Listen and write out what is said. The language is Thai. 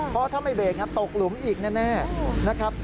เพราะถ้าไม่เบรกตกหลุมอีกแน่นะครับ